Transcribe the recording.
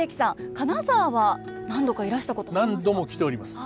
金沢は何度かいらしたことありますか？